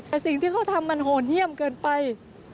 แต่สิ่งที่เขาทำมันโหดเยี่ยมเกินไป